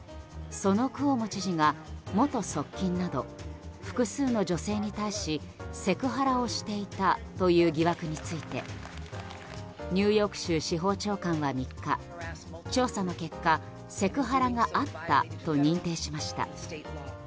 そのクオモ知事が元側近など複数の女性に対しセクハラをしていたという疑惑についてニューヨーク州司法長官は３日、調査の結果セクハラがあったと認定しました。